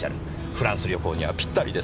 フランス旅行にはピッタリです。